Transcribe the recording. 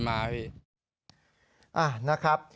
อ่ะนะครับ